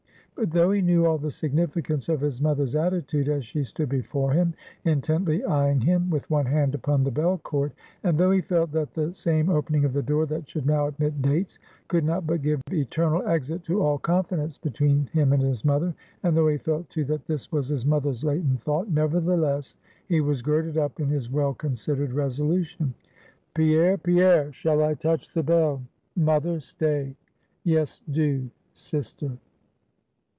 But though he knew all the significance of his mother's attitude, as she stood before him, intently eying him, with one hand upon the bell cord; and though he felt that the same opening of the door that should now admit Dates, could not but give eternal exit to all confidence between him and his mother; and though he felt, too, that this was his mother's latent thought; nevertheless, he was girded up in his well considered resolution. "Pierre, Pierre! shall I touch the bell?" "Mother, stay! yes do, sister."